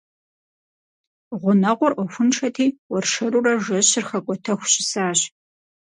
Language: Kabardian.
Гъунэгъур Ӏуэхуншэти, уэршэрурэ жэщыр хэкӀуэтэху щысащ.